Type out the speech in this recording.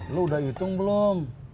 lo udah hitung belum